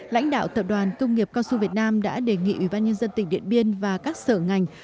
lãnh đạo tập đoàn công nghiệp cao su việt nam đã đề nghị ủy ban nhân dân tỉnh điện biên và các sở ngành